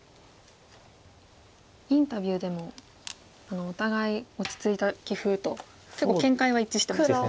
インタビューでもお互い落ち着いた棋風と結構見解は一致してますよね。